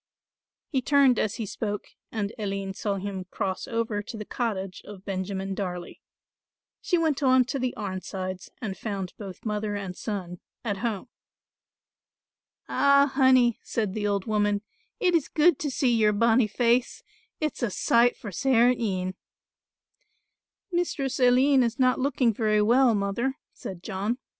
He turned as he spoke and Aline saw him cross over to the cottage of Benjamin Darley. She went on to the Arnsides and found both mother and son at home. "Ah, Honey," said the old woman, "it is good to see your bonnie face, it's a sight for sair een." "Mistress Aline is not looking very well, mother," said John.